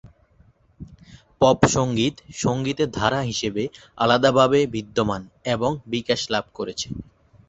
Pop সঙ্গীত সঙ্গীতের ধারা হিসেবে আলাদাভাবে বিদ্যমান এবং বিকাশ লাভ করেছে।